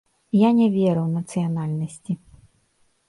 Я не веру ў нацыянальнасці.